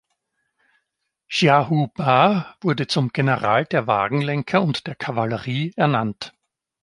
Xiahou Ba wurde zum "General der Wagenlenker und der Kavallerie" ernannt.